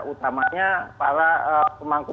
utamanya para pemangku pemangku